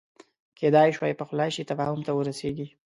کېدای شوای پخلا شي تفاهم ته ورسېږي